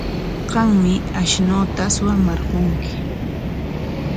Qammi ashnuuta suwamarqunki.